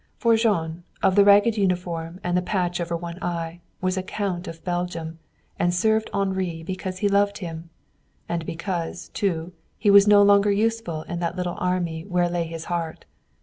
For Jean, of the ragged uniform and the patch over one eye, was a count of Belgium, and served Henri because he loved him. And because, too, he was no longer useful in that little army where lay his heart.